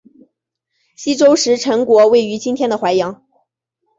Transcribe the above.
西周时陈国位于今天的淮阳。